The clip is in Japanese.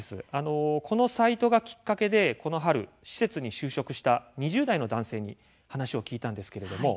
このサイトがきっかけでこの春施設に就職した２０代の男性に話を聞いたんですけれども。